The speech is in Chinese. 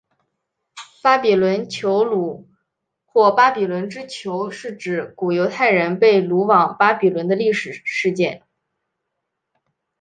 巴比伦囚虏或巴比伦之囚是指古犹太人被掳往巴比伦的历史事件。